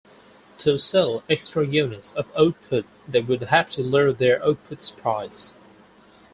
To sell extra units of output, they would have to lower their output's price.